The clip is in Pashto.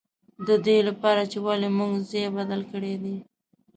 د دې له پاره چې ولې موږ ځای بدل کړی دی.